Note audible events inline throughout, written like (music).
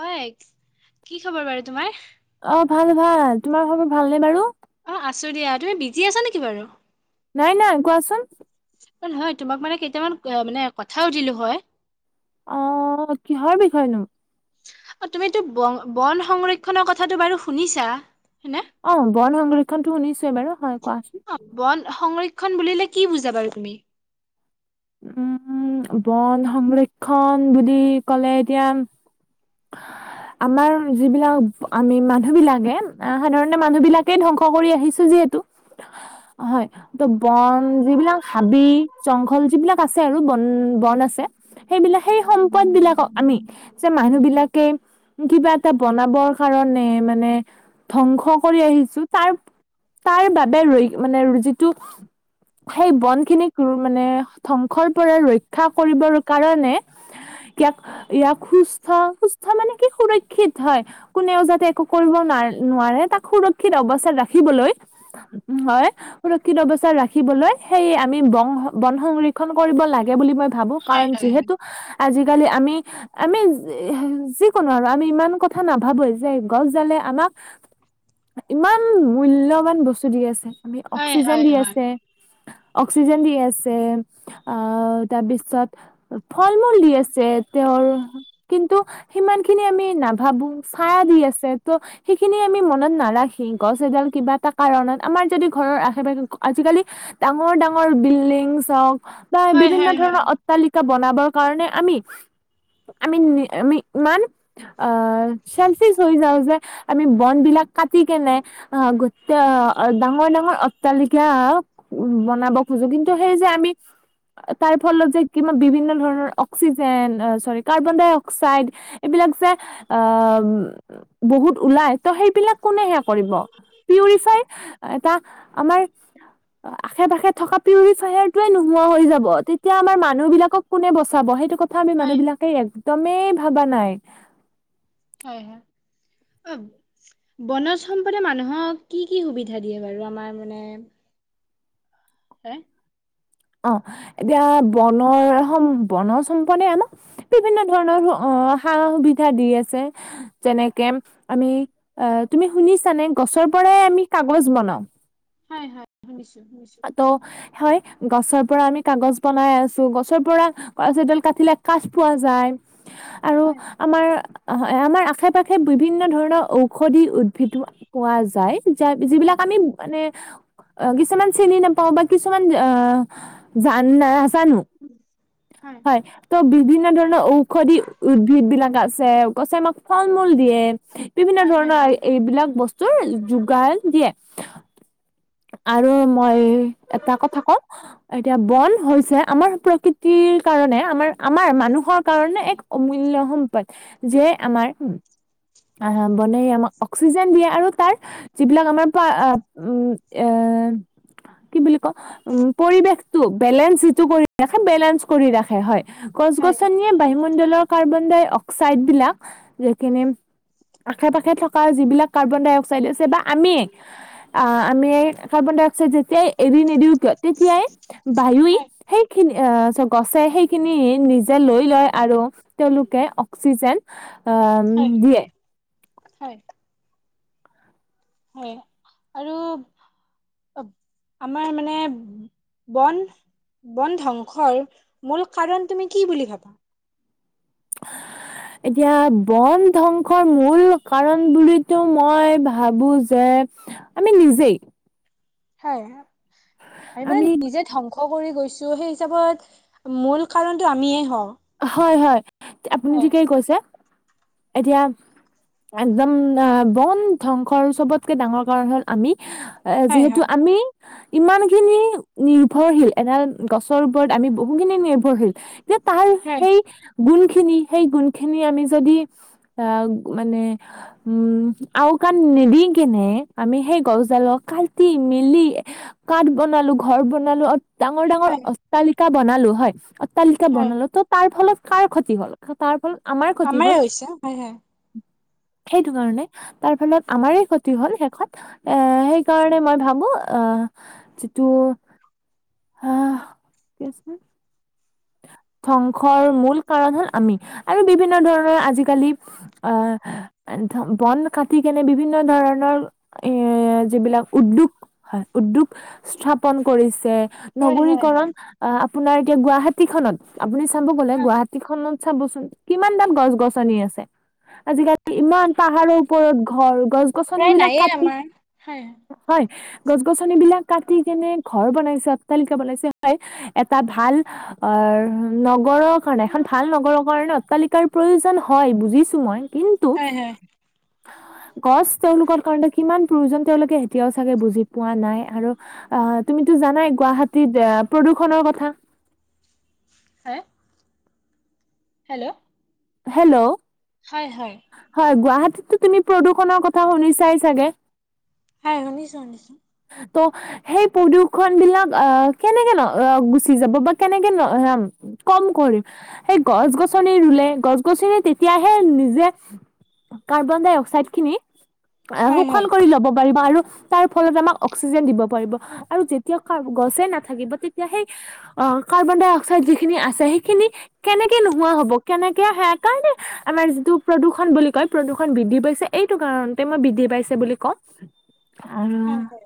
হয় কি খবৰ বাৰু তোমাৰ? অ', ভাল, ভাল তোমাৰ খবৰ ভালনে বাৰু? অ', আছো দিয়া তুমি বিজি আছা নেকি বাৰু? নাই, নাই কোৱাচোন? নহয় তোমাক মানে কেইটামান মানে কথা সুধিলো হয়। অ, কিহৰ বিষয়েনো? অ' তুমিটো বন বন সংৰক্ষনৰ কথাটো বাৰু শুনিছা হয়নে? অ' বন সংৰক্ষণটো শুনিছোঁ বাৰু হয় কোৱা। অ' বন সংৰক্ষণ বুলিলে কি বুজা বাৰু তুমি? ও' ও' বন সংৰক্ষণ বুলি ক'লে এতিয়া (inaudible) আমাৰ যিবিলাক আমি মানুহ বিলাকে, সাধাৰণতে মানুহ বিলাকে ধ্বংস কৰি আহিছোঁ যিহেতু। (inaudible) হয়। ত' বন যিবিলাক হাবি জংঘল যিবিলাক আছে আৰু বন বন আছে। সেইবিলাক সেই সম্পদ বিলাকক আমি যে মানুহ বিলাক লাকে কিবা এটা বনাবৰ কাৰণে মানে ধ্বংস কৰি আহিছোঁ তাৰ তাৰ বাবে ৰৈ মানে যিটো সেই বন খিনিক মানে ধ্বংসৰ পৰা ৰক্ষা কৰিবৰ কাৰণে ইয়াক ইয়াক সুস্থ সুস্থ মানে কি (unintelligible) সুৰক্ষিত হয়। কোনেও যাতে একো কৰিব নোৱাৰে তাক সুৰক্ষিত অৱস্থাত ৰাখিবলৈ হয়। সুৰক্ষিত অৱস্থা ৰাখিবলৈ সেই আমি বন বন সংৰ ক্ষণ কৰিব লাগে বুলি মই ভাবো। কাৰণ যিহেতু আজিকালি আমি আমি যিকোনো আৰু, আমি ইমান কথা নাভাবোয়ে যে গছডালে আমাক ইমান মূল্যবান বস্তু দি আছে, হয় অক্সিজেন হয় দি হয় আছে অক্সিজেন দি আছে, অ' তাৰপিছত ফলমূল দি আছে, তেওঁৰ কিন্তু সিমান খিনি আমি নাভাবো ছাঁ দি আছে, ত' সেইখিনি আমি মনত নাৰাখি গছ এডাল কিবা এটা কাৰণত আমাৰ যদি ঘৰৰ আশে পাশে আজিকালি ডাঙৰ ডাঙৰ বিল্ডিংছ হওঁক বা হয় বিভিন্ন হয় ধৰণৰ হয় অট ট্টালিকা বনাবৰ কাৰণে আমি আমি আমি ইমান অ' চেলফিচ হৈ যাওঁ যে আমি বনবিলাক কাটি কেনে অ গত তে ডাঙৰ ডাঙৰ অট্টালিকা বনাব খোজো, কিন্তু সেই যে আমি তাৰ ফলত যে কিমান বিভিন্ন ধৰণৰ অক্সিজেন চৰি কাৰ্বন ডাই অক্স ক্সাইড, এইবিলাক যে অ', উম বহুত ওলাই ত' সেইবিলাক কোনে হে কৰিব? পিউৰিফাই এটা আমাৰ আশে পাশে থকা পিউৰিফায়াৰটোৱে নোহোৱা হৈ যাব। তেতিয়া আমাৰ মানুহবিলাকক কোনে বচাব। সেইটো কথ থা আমি হয় মানুহবিলাকে একদমেই ভবা নাই। হয়, হয়। অ', বনজ সম্পদে মানুহক কি কি সুবিধা দিয়ে বাৰু? আমাৰ মানে হে অ', এতিয়া বনৰ সম বনজ সম্পদে আমাক বিভিন্ন ধৰণৰ অ' সা সুবিধা দি আছে। যেনেকে আমি অ' তুমি শুনিছানে গছৰ পৰাই আমি কাগজ বনাওঁ। হয়, -হয়, শুনিছোঁ -শুনিছোঁ। ত' হয় গছৰ পৰা আমি কাগজ বনাই আছোঁ গছৰ পৰা গছ এডাল কাটিলে কাঠ পোৱা যায় আৰু হয় আমাৰ আমাৰ আশে পাশে বিভিন্ন ধৰণৰ ঔষধি উদ্ভিদো পোৱা যায়। যায় হয় যিবিলাক আমি হয় মানে কিছুমান চিনি নাপাওঁ বা কিছুমান অ জান নাজানো, হয়। ত' বিভিন্ন ধৰণৰ ঔষধি উদ্ভিদ বিলাক আছে। গছে আমাক ফল মূল দিয়ে। বিভিন্ন হয় হয় ধৰণৰ, দিয়ে এইবিলাক বস্তুৰ যোগান দিয়ে। আৰু এ এটা কথা কওঁ এতিয়া বন হৈছে আমাৰ প্ৰকৃতিৰ কাৰণে আমাৰ, আমাৰ মানুহৰ কাৰণে এক অমূল্য সম্পদ। যিয়ে আমাৰ, আহ বনে আমাক অক্সিজেন দিয়ে, আৰু তাৰ যিবিলাক আমাৰ প্ৰায় উম, এ- কি বুলি কম, পৰিবেশটো বেলেঞ্চ যিটো কৰি ৰাখে বেলেঞ্চ কৰি ৰাখে হয়। গছ- হয় গছনিয়ে বায়ুমণ্ডলৰ কাৰ্বন ডাই অক্সাইড বিলাক আশে পাশে থকা যিবিলাক কাৰ্বন ডাই অক্সাইড আছে, বা আমিয়ে আহ আমি কাৰ্বন ডাই অক্সাইড যেতিয়াই এৰি নিদিওঁ কিয় তেতিয়াই বায়ুয়ে হয় সেইখিনি গছে, সেইখিনি নিজে লৈ লয়। আৰু, তেওঁলোকে অক্সিজেন আহ হয় দিয়ে। হয়। হয়। আৰু, অহ আমাৰ মানে বন, বন ধ্বংসৰ মূল কাৰণ তুমি কি বুলি ভাবা? (inaudible) এতিয়া বন ধ্বংসৰ মূল কাৰণ বুলিটো মই ভাবো যে, আমি নিজেই, হয়। আমি মানে নিজে ধ্বংস। কৰি গৈছোঁ। হেই হিচাপত মূল কাৰণটো আমিয়ে হওঁ। হয়-হয় আপুনি হয় ঠিকে কৈছে। এতিয়া একদম বন ধ্বংসৰ চবতকে ডাঙৰ কাৰণ হ'ল আমি। এ হয় যিহেতু হয় আমি ইমানখিনি, নিৰ্ভৰশীল। এডাল গছৰ ওপৰত আমি বহুখিনি নিৰ্ভৰশীল। এতিয়া তাৰ, হয় গুণ খিনি, সেই গুণ খিনি আমি যদি আহ মানে উম, আওকাণ নিদি কেনে আমি সেই গছডালক কাটি মেলি, কাঠ বনালো, ঘৰ বনালো, আৰু ডাঙৰ ডাঙৰ হয় অট্টালিকা বনালো হয়। তালিকা হয় বনালো ত' তাৰ ফলত কাৰ ক্ষতি হ'ল। তাৰ ফলত ক্ষতি হ'ল আমাৰ হৈছে। হয়, হয়। সেইটো কাৰণে তাৰ ফলত আমাৰে ক্ষতি হ'ল শেষত। এ সেইকাৰণে মই ভাবো আহ যিটো, আহ কি আছিল? ধ্বংসৰ মূল কাৰণ হ'ল আমি, আৰু বিভিন্ন ধৰণৰ আজিকালি। আহ ধ বন কাটি কেনে বিভিন্ন ধৰণৰ, এ যিবিলাক উদ্যোগ হয়, উদ্যোগ স্থাপন কৰিছে। হয় হয় নগৰীকৰণ হয় আপোনাৰ এতিয়া গুৱাহাটী খনত, আপুনি চাব গ'লে হয় গুৱাহাটী খনত। চাবচোন কিমান দাল গছ গছনি আছে। আজিকালি ইমান পাহাৰৰ ওপৰত ঘৰ গছ-গছনি প্ৰায় বিলাক নায়ে কাটি, আমাৰ হয় হয় গছ-গছনি বিলাক কাটি কেনে ঘৰ বনাইছে, অট্টালিকা বনাইছে হয়। এটা ভাল অ'- নগৰৰ কাৰণে এখন ভাল নগৰৰ কাৰণে অট্টালিকাৰ প্ৰয়োজন হয় বুজিছো মই, কিন্তু- হয়-হয়। গছ তেওঁলোকৰ কাৰণ কিমান প্ৰয়োজন তেওঁলোকে এতিয়াও চাগে বুজি পোৱা নাই। আৰু- অ' তুমিতো জানাই গুৱাহাটীত প্ৰদূষণৰ কথা। হে, হেল্ল'। হেল্ল', হয় হয় হয়, গুৱাহাটীতটো তুমি প্ৰদূষণৰ কথা শুনিছাই চাগে? হয়, শুনিছোঁ, শুনিছোঁ। তো সেই প্ৰদূষন বিলাক আহ' কেনেকে ন' গুচি যাব বা কেনেকে ন' কম কৰিম, সেই গছ-গছনি ৰুলে, গছ-গছনি তেতিয়াহে নিজে কাৰ্বন-ডাই-অক্সাইড খিনি আহ' হয় শোষণ হয় কৰি ল'ব পাৰিব আৰু তাৰ ফলত আমাক অক্সিজেন দিব পাৰিব আৰু যেতিয়া কা গছে নাথাকিব তেতিয়া সেই অঁহ' কাৰ্বন-ডাই-অক্সাইড যিখিনি আছে সেইখিনি কেনেকে নোহোৱা হ'ব, কেনেকে কে সেইকাৰণে আমাৰ যিটো প্ৰদূষণ বুলি কয় প্ৰদূষণ বৃদ্ধি পাইছে এইটো কাৰণত তে মই বৃদ্ধি পাইছে বুলি কওঁ। (unintelligible) আৰু- হয় হয়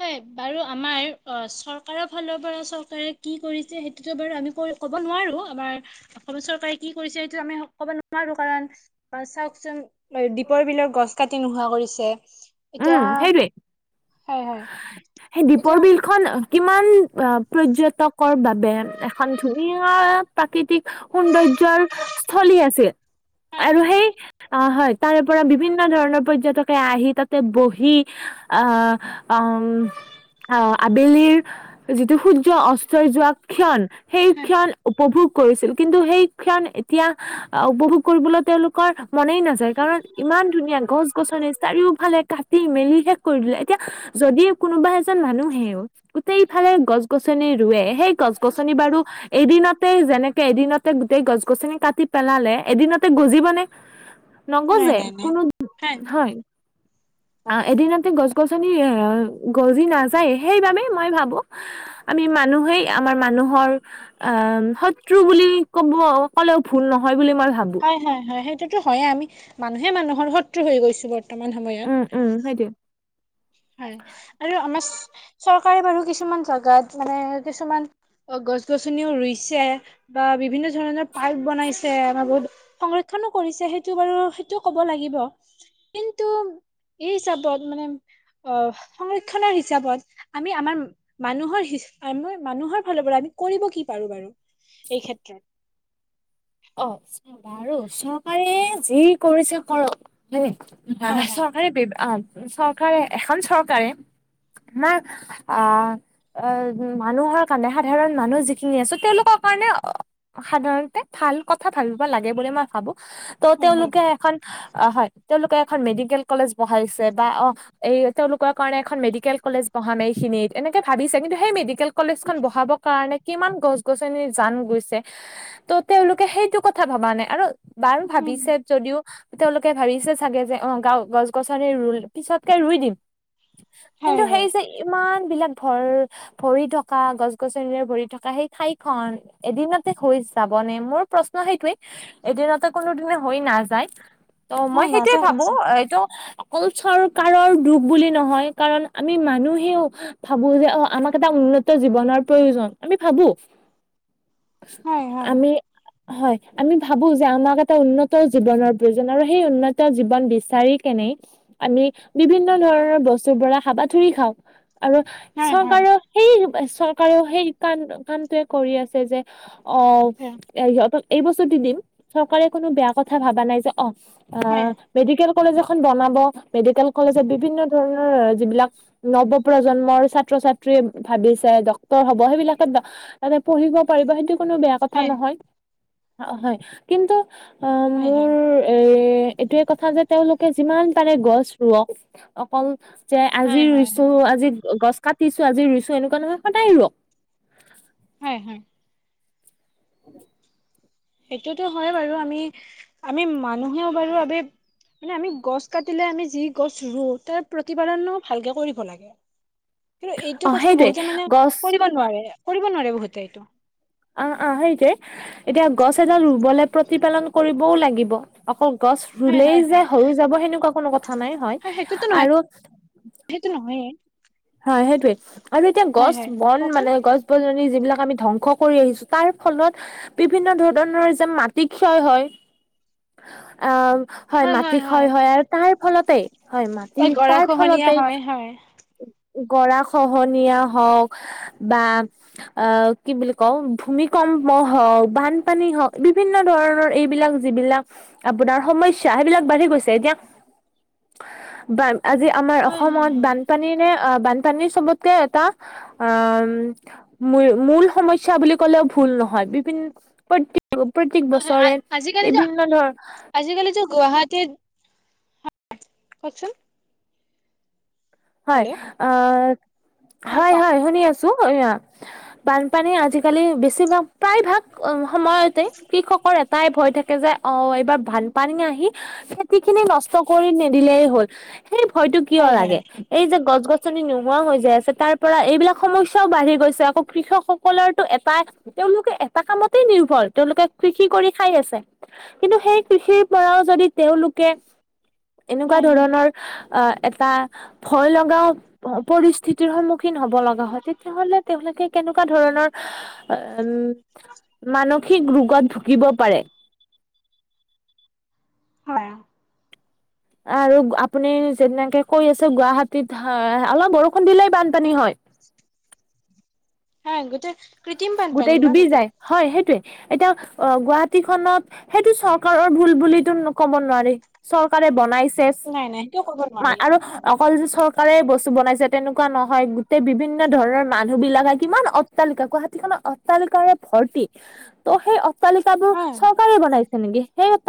(unintelligible) বাৰু আমাৰ অঁ' চৰকাৰৰ ফালৰ পৰা চৰকাৰে কি কৰিছে সেইটোতো বাৰু আমি ক ক'ব নোৱাৰো আমাৰ, অসম চৰকাৰে কি কৰিছে সেইটো ক'ব নোৱাৰো কাৰণ বাৰু চাওঁকচোন দ্বীপৰ বিলৰ গছ কাটি নোহোৱা কৰিছে। উম এতিয়া সেইটোৱে হয় হয় সেই দ্বীপৰ এতিয়া বিলখন কিমান পৰ্য্যটকৰ বাবে এখন ধুনীয়া প্ৰাকৃতিক সৌন্দৰ্যৰ স্থলী আছিল হয় আৰু সেই অ' হয়। তাৰে পৰা বিভিন্ন ধৰণৰ পৰ্য্যটকে আহি তাত তে বহি আ, আউম, আহ' আবেলিৰ যিটো সূৰ্য্য অস্তই যোৱা ক্ষণ, সেই হয় ক্ষণ উপভোগ কৰিছিল। কিন্তু সেই ক্ষণ এতিয়া আহ' উপভোগ কৰিবলৈ তেওঁলোকৰ মনেই নাযায়। কাৰণ ইমান ধুনীয়া গছ-গছনি, চাৰিওফালে কাটি-মেলি শেষ কৰি দিলে। এতিয়া যদিও কোনোবা এজন মানুহেও গোটেইফালে গছ-গছনি ৰোৱে, সেই গছ-গছনি বাৰু এদিনতেই যেনেকে এদিনতে গোটেই গছ-গছনি কাটি পেলালে, এদিনতে তে গজিব নে, নাই নগজে নাই নাই কোনো, হয়। আহ' এদিনতে গছ-গছনি গজি নাযায়। সেইবাবে মই ভাবোঁ আমি মানুহেই আমাৰ মানুহৰ আহ' শত্ৰু বুলি ক'ব, কলেও ভুল নহয় বুলি মই ভাবোঁ। হয়, হয়, হয়। সেইটোতো হয়েই, আমি মানুহে মানুহৰ শত্ৰু হৈ গৈছো বৰ্তমান সময়ত। উম, উম। সেইটোৱেই। হয় আৰু আমাৰ চ, চৰকাৰে বাৰু কিছুমান জাগাত মানে কিছুমান অ' গছ-গছনিও ৰুইছে বা বিভিন্ন ধৰণৰ পাৰ্ক বনাইছে, আমাৰ বহুত সংৰক্ষণো কৰিছে, সেইটো বাৰু সেইটো ক'ব লাগিব। কিন্তু এই হিচাপত মানে অ, সংৰক্ষণৰ হিচাপত আমি আমাৰ মানুহৰ আমাৰ হিচ আমি মানুহৰ ফালৰ পৰা আমি কৰিব কি পাৰোঁ বাৰু- এই ক্ষেত্ৰত? অ', বাৰু চৰকাৰে যি কৰিছে কৰক, হয়নে? হয় (unintelligible) হয় চৰকাৰে ব্যব অ', চৰকাৰে, এখন চৰকাৰে আমাক আ এ, মানুহৰ কাৰণে, সাধাৰণ মানুহ যিখিনি আছোঁ, তেওঁলোকৰ কাৰণে সাধাৰণতে ভাল কথা ভাবিব লাগে বুলি মই ভাবোঁ। ত', হয় হয় তেওঁলোকে এখন অ', হয়। তেওঁলোকে এখন মেডিকেল কলেজ বহাইছে বা অ', এই তেওঁলোকৰ কাৰণে এখন মেডিকেল কলেজ বহাম এইখিনিত, এনেকে ভাবিছে কিন্তু, সেই মেডিকেল কলেজখন বহাব কাৰণে কিমান গছ-গছনিৰ জান গৈছে, তো তেওঁলোকে সেইটো কথা ভবা নাই। আৰু বাৰু উম ভাবিছে যদিও তেওঁলোকে ভাবিছে চাগে যে অ', গাওঁ গছ-গছনি পিছতকে ৰুই দিম। কিন্তু, হয় সেই হয় যে ইমান বিলাক ভৰ ভৰি থকা, গছ-গছনিৰে ভৰি থকা সেই ঠাইখন এদিনতে হৈ যাব বনে মোৰ প্ৰশ্ন সেইটোৱে। এদিনতে কোনোদিনে হৈ নাযায়। অ', মই হয় সেইটোৱেই নাযায় ভাবো নাযায় এইটো কুল চৰকাৰৰ দুখ বুলি নহয়, কাৰণ আমি মানুহেও ভাবো যে অ', আমাক এটা উন্নত জীৱনৰ প্ৰয়োজন, আমি ভাবো। হয় হয় আমি হয়, আমি ভাবো যে আমাক এটা উন্নত জীৱনৰ প্ৰয়োজন আৰু সেই উন্নত জীৱন বিচাৰি কেনেই, আমি বিভিন্ন ধৰণৰ বস্তুৰ পৰা হাবাথুৰি খাওঁ। আৰু হয় হয় চৰকাৰেও সেই চৰকাৰেও সেই কাম, কামটোৱে কৰি আছে যে অ', হয় সিহঁতক এই বস্তু দি দিম, চৰকাৰে কোনো বেয়া কথা ভাবা নাই যে অ হয় অ', মেডিকেল কলেজ এখন বনাব মেডিকেল কলেজত বিভিন্ন ধৰণৰ যিবিলাক নৱ প্ৰজন্মৰ ছাত্ৰ ছাত্ৰীয়ে ভাবিছে ডক্তৰ হ'ব, সেইবিলাকে পঢ়িব পাৰিব সেইটো কোনো বেয়া কথা হয় নহয়, হয় কিন্তু হয় হয় মোৰ এ, এইটোয়ে কথা যে তেওঁলোকে যিমান পাৰে গছ ৰোৱক। অকল যে আজি হয় হয় ৰুইছো হয় আজি গছ কাটিছো আজি ৰুইছো এনেকুৱা নহয় সদায় ৰুওক। হয়, হয়। (inaudible) সেইটোতো হয় বাৰু আমি, আমি মানুহেও বাৰু আমি মানে আমি গছ কাটিলে আমি যি গছ ৰুওঁ, তাৰ প্ৰতিপালনো ভালকে কৰিব লাগে। কিন্তু এইটো অ কথা সেইটোৱে বহুতে মানে গছ কৰিব নোৱাৰে কৰিব নোৱাৰে বহুতে এইটো। অ', অ', সেইটোৱে। এতিয়া গছ এডাল ৰুবলে প্ৰতিপালন কৰিবও লাগিব। অকল গছ হয় হয় ৰুলেই হয় যে হৈ যাব সেনেকুৱা কথা নাই হয়। সেইটোতো নহয় আৰু সেইটো নহয়ে। হয় সেইটোৱে। আৰু এতিয়া হয় হয় গছ বন কওকচোন। মানে গছ (unintelligible) যিবিলাক আমি ধ্বংস কৰি আহিছো তাৰ ফলত বিভিন্ন ধৰণৰ যে মাটি ক্ষয় হয়, আ হয়, মাটি ক্ষয় হয় আৰু তাৰ ফলতেই হয় মাটি এই তাৰ গৰাখহনীয়া ফলতেই হয় হয়। গৰা খহনীয়া হওক, বা অ', কি বুলি কওঁ ভূমিকম্প হওঁক, বানপানী হওঁক, বিভিন্ন ধৰণৰ এইবিলাক যিবিলাক আপোনাৰ সমস্যা সেইবিলাক বাঢ়ি গৈছে এতিয়া, বা আজি আমাৰ হয় হয় অসমত হয়। বানপানী নে, বানপানীৰ চবতকে এটা উম, মূ-মূল সমস্যা বুলি ক'লেও ভুল নহয়। বিভি প্ৰতে প্ৰত্যেক বছৰে বিভিন্ন ধৰ আজিকালি যে গুৱাহাটীৰ (unintelligible) কওঁকচোন। হয় হেল্ল' অ', হয়, হয়, শুনি আছোঁ, এইয়া। বানপানী আজিকালি বেছিভাগ প্ৰায়ভাগ সময়তে কৃষকৰ এটা টাই ভয় থাকে যে অ', এইবাৰ বানপানী আহি খেতিখিনি নষ্ট কৰি নিদিলেই হ'ল সেই ভয়টো কিয় হয় হয় লাগে? এই যে গছ-গছনি নোহোৱা হৈ যাই আছে তাৰ পৰা এইবিলাক সমস্যাও বাঢ়ি গৈছে আকৌ কৃষক সকলৰটো এটা তেওঁলোকে এটা কামতে নিৰ্ভৰ, তেওঁলোকে কৰি খাই আছে। কিন্তু সেই কৃষিৰ পৰাও যদি তেওঁলোকে এনেকুৱা হয় ধৰণৰ অহ, এটা ভয় লগাও প-পৰিস্থিতিৰ সন্মুখীন হব লগা হয় তেতিয়াহ'লে তেওঁলোকে কেনেকুৱা ধৰণৰ উম, মানসিক ৰোগত ভুগিব পাৰে। হয়। আৰু আপুনি যেনেকে কৈ আছে গুৱাহাটীত হয় অলপ বৰষুণ দিলেই বানপানী হয়। হা গোটেই কৃত্ৰিম বানপানী গোটেই ন ডুবি যায় হয় সেইটোৱে এতিয়া অ', গুৱাহাটীখনত সেইটো চৰকাৰৰ ভুল বুলিতো ক'ব নোৱাৰি চৰকাৰে বনাইছে। নাই নাই সেইটো ক'ব মা নোৱাৰি আৰু অকল যে চৰকাৰে বস্তু বনাইছে তেনেকুৱা নহয় গোটেই বিভিন্ন ধৰণৰ মানুহবিলাকে কিমান অট্টালিকা ক য'ত অট্টালিকাৰে ভৰ্তি ত' সেই অট্টালিকাবোৰ হা চৰকাৰে বনাইছে নেকি সেই এটা